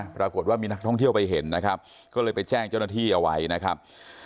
ปรากฏว่ามีนักท่องเที่ยวไปเห็นนะครับก็เลยไปแจ้งเจ้าหน้าที่เอาไว้นะครับ